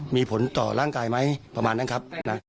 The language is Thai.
มีผลต่อร่างกายไหมประมาณนั้นครับ